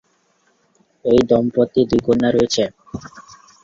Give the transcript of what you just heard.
এ দম্পতির দুই কন্যা রয়েছে।